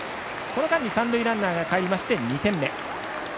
この間に三塁ランナーかえって２点目。